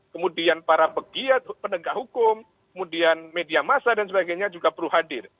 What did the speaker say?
kemudian para pegiat penegak hukum kemudian media masa dan sebagainya juga perlu hadir